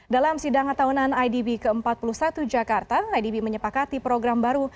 dalam sidang tahunan idb ke empat puluh satu jakarta idb menyepakati program baru